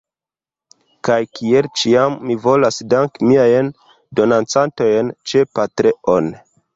Kaj kiel ĉiam, mi volas danki miajn donacantojn ĉe Patreon.